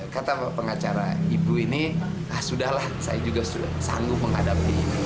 kata pengacara ibu ini ah sudah lah saya juga sudah sanggup menghadapi ini